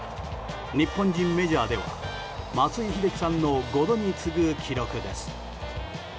日本人メジャーでは松井秀喜さんの５度に次ぐ記録です。